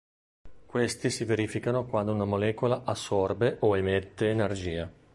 Questi si verificano quando una molecola assorbe o emette energia.